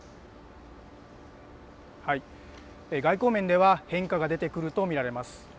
外交面では変化が出てくると見られます。